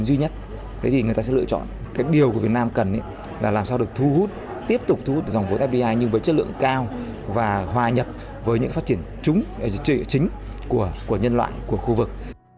vốn đăng ký tiếp tục thu hút dòng vốn fdi nhưng với chất lượng cao và hòa nhập với những phát triển chính của nhân loại của khu vực